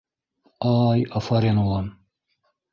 — Ай афарин, улым!